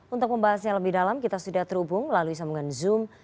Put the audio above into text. untuk pembahasannya lebih dalam kita sudah terhubung lalu disambungkan zoom